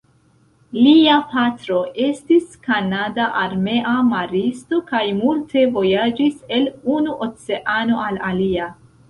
Lia patro estis kanada armea maristo kaj multe vojaĝis el unu oceano al alia.